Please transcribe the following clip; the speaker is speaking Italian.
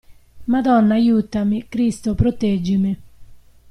Madonna aiutami, Cristo proteggimi!